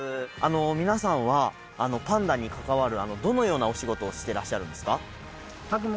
皆さんはパンダに関わるどのようなお仕事をしてらっしゃるんですか？